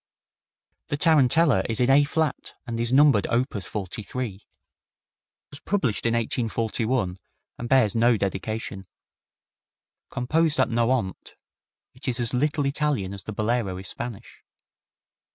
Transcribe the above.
The Tarantella is in A flat, and is numbered op. 43. It was published in 1841 (?), and bears no dedication. Composed at Nohant, it is as little Italian as the Bolero is Spanish.